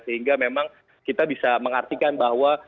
sehingga memang kita bisa mengartikan bahwa